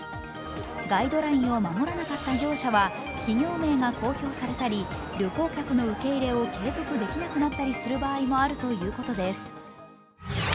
ガイドラインを守らなかった業者は企業名が公表されたり旅行客の受け入れを継続できなくなったりする場合もあるということです。